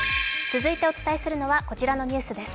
続いてお伝えするのは、こちらのニュースです。